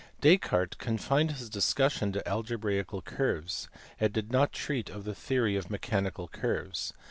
Descartes confined his discussion to algebraical curves, and did not treat of the theory of me chanical curves.